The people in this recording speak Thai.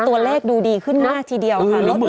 ตัวเลขดูดีขึ้นมากทีเดียวค่ะ